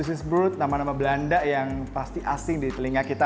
which brut nama nama belanda yang pasti asing di telinga kita